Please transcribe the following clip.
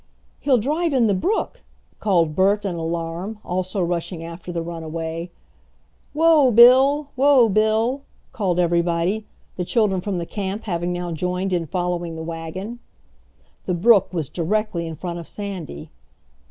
"He'll drive in the brook," called Bert in alarm also rushing after the runaway. "Whoa, Bill! whoa, Bill!" called everybody, the children from the camp having now joined in following the wagon. The brook was directly in front of Sandy.